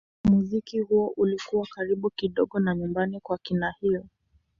Muziki huo ulikuwa karibu kidogo na nyumbani kwa kina Hill.